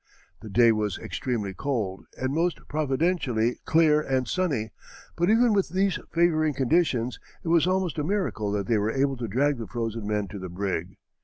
The day was extremely cold and most providentially clear and sunny, but even with these favoring conditions it was almost a miracle that they were able to drag the frozen men to the brig.